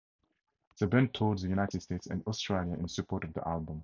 The band toured the United States and Australia in support of the album.